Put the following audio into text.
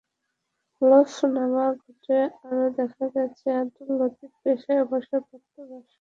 হলফনামা ঘেঁটে আরও দেখা গেছে, আবদুল লতিফ পেশায় অবসরপ্রাপ্ত ব্যবসায়ী।